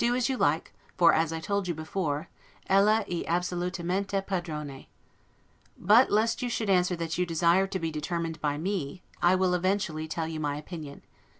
Do as you like; for, as I told you before, 'Ella e assolutamente padrone'. But lest you should answer that you desire to be determined by me, I will eventually tell you my opinion.